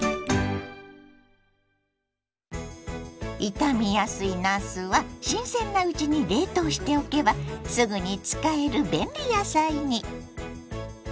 傷みやすいなすは新鮮なうちに冷凍しておけばすぐに使える便利野菜に。